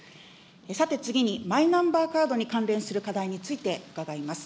さて、次にマイナンバーカードに関連する課題について伺います。